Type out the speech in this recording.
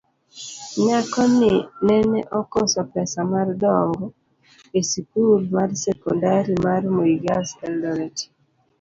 nyako ni nene okoso pesa mar dongo esikul marsekondari mar Moi Girls, Eldoret